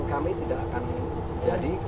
kami tidak akan jadi